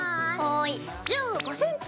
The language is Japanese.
１５ｃｍ。